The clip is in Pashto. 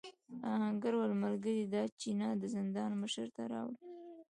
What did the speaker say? آهنګر وویل ملګري دا چپنه د زندان مشر ته راوړې.